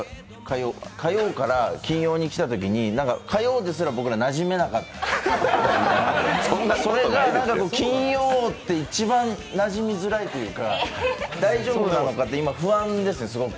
火曜から金曜に来たときに火曜ですら僕なじめなかったそれが金曜って一番なじみづらいというか、大丈夫なのかって僕の中で不安です、すごく。